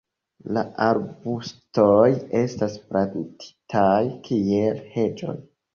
La arbustoj estas plantitaj kiel heĝoj.